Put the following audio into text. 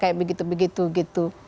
kayak begitu begitu gitu